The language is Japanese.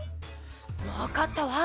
わかったわ！